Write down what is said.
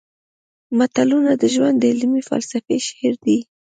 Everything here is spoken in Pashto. متلونه د ژوند د عملي فلسفې شعر دي